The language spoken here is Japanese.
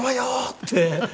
って。